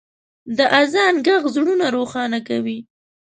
د اذان ږغ زړونه روښانه کوي.